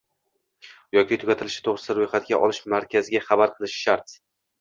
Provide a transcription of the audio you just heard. yoki tugatilishi to‘g‘risida ro‘yxatga olish markaziga xabar qilishi shart.